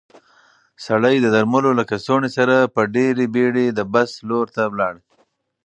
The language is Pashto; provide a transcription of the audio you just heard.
سړی د درملو له کڅوړې سره په ډېرې بیړې د بس لور ته لاړ.